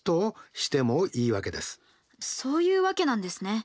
そういうわけなんですね。